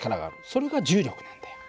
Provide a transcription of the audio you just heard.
それが重力なんだよ。